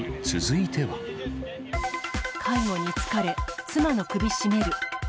介護に疲れ、妻の首絞める。